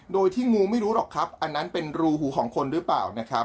โดยที่งูไม่รู้หรอกครับอันนั้นเป็นรูหูของคนหรือเปล่านะครับ